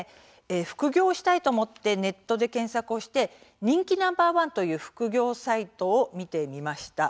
副業をしたいと思ってネットで検索して人気ナンバー１という副業サイトを見てみました。